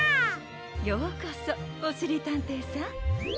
ようこそおしりたんていさん。